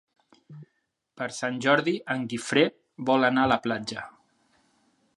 Per Sant Jordi en Guifré vol anar a la platja.